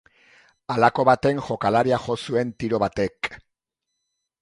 Halako baten jokalaria jo zuen tiro batek.